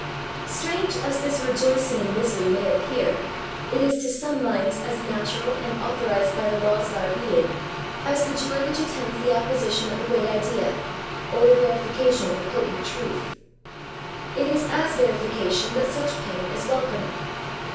Strange as this rejoicing in misery may appear, it is to some minds as natural and authorised by the laws of our being, as the joy which attends the acquisition of a great idea, or the verification of a potent truth. It is as verification that such pain is welcome.